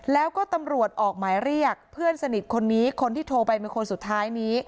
แล้วก็ตำรวจออกหมายเรียกเพื่อนสนิทคนนี้คนที่โทรไปเป็นคนสุดท้ายนี้